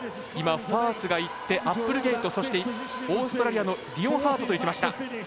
ファースがいってアップルゲイトそして、オーストラリアのリオンハートといきました。